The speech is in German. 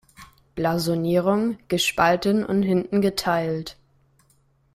Blasonierung: „Gespalten und hinten geteilt.